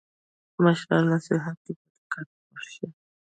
د مشرانو نصیحت ته په دقت غوږ شئ.